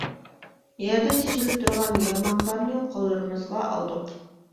يەردە چېچىلىپ تۇرغان يارماقلارنى قوللىرىمىزغا ئالدۇق.